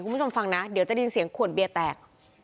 คุณผู้ชมฟังนะเดี๋ยวจะได้ยินเสียงขวดเบียร์แตก